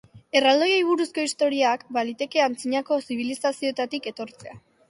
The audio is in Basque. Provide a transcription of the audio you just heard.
Erraldoiei buruzko istorioak, baliteke antzinako zibilizazioetatik etortzea.